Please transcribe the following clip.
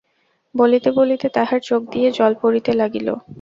বলিতে বলিতে তাঁহার চোখ দিয়া জল পড়িতে লাগিল।